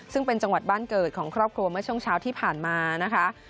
ซึ่งเป็นจังหวัดบ้านเกิดของครอบครัวเมื่อช่วงเช้าที่ผ่านมานะคะ